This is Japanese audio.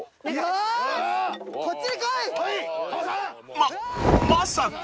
［ままさか］